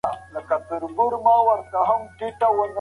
خلک به د پوهې غوښتنه وکړي.